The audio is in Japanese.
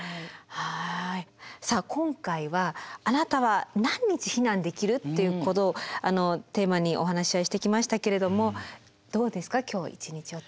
さあ今回は「あなたは何日避難できる？」っていうことをテーマにお話し合いしてきましたけれどもどうですか今日一日を通して。